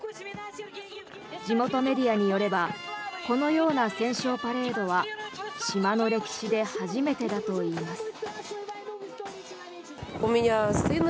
地元メディアによればこのような戦勝パレードは島の歴史で初めてだといいます。